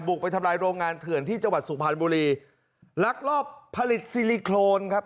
ไปทำลายโรงงานเถื่อนที่จังหวัดสุพรรณบุรีลักลอบผลิตซิลิโครนครับ